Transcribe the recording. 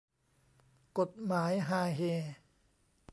กฎหมายฮาเฮ